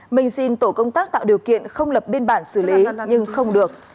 mình xin tổ công tác tạo điều kiện không lập biên bản xử lý nhưng không được